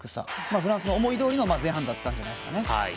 フランスの思いどおりの前半だったんじゃないですかね。